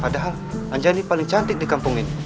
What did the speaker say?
padahal anjani paling cantik di kampung ini